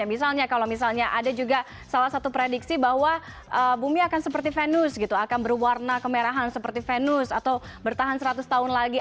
misalnya kalau misalnya ada juga salah satu prediksi bahwa bumi akan seperti venus gitu akan berwarna kemerahan seperti venus atau bertahan seratus tahun lagi